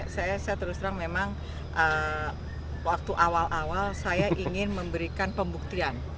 saya terus terang memang waktu awal awal saya ingin memberikan pembuktian